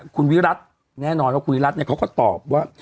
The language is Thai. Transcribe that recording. คุณวิรัติแน่นอนว่าคุณวิรัติเนี่ยเขาก็ตอบว่า